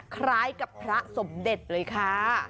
คล้ายกับพระสมเด็จเลยค่ะ